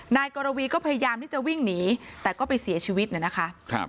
นายกรวีก็พยายามที่จะวิ่งหนีแต่ก็ไปเสียชีวิตเนี่ยนะคะ